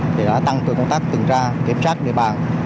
thì đã tăng cường công tác cường tra kiểm soát nơi bàn